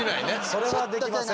それはできませんね。